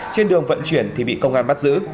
trên đường vận chuyển thì bị công an bắt giữ